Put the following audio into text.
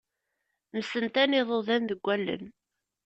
Msentan iḍudan deg allen.